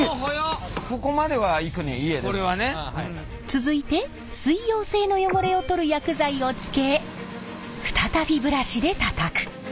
続いて水溶性の汚れを取る薬剤をつけ再びブラシでたたく。